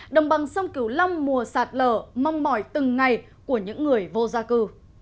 đồng bằng sông cửu long mùa sạt lở mong mỏi từng ngày của những người vô gia cư